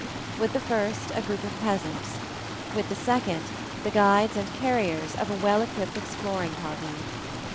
With the first, a group of peasants; with the second, the guides and carriers of a well equipped exploring party.